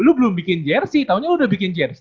lu belum bikin jersi taunya lu udah bikin jersi